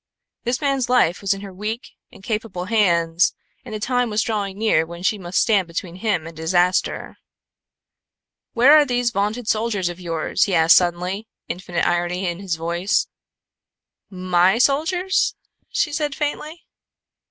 This man's life was in her weak, incapable hands and the time was nearing when she must stand between him and disaster. "Where are these vaunted soldiers of yours?" he suddenly asked, infinite irony in his voice. "My soldiers?" she said faintly.